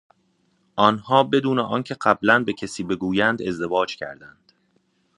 آنها بدون آنکه قبلا به کسی بگویند ازدواج کردند.